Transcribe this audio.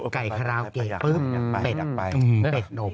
ไก่คราวเก๋ปุ๊บเป็ดออกไปเป็ดโดบ